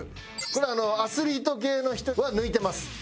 これアスリート系の人は抜いてます。